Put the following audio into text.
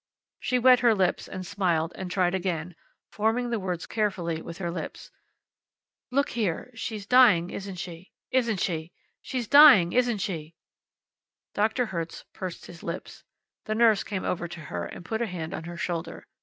She wet her lips and smiled, and tried again, forming the words carefully with her lips. "Look here. She's dying isn't she? Isn't she! She's dying, isn't she?" Doctor Hertz pursed his lips. The nurse came over to her, and put a hand on her shoulder.